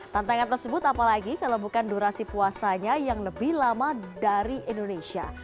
tantangan tersebut apalagi kalau bukan durasi puasanya yang lebih lama dari indonesia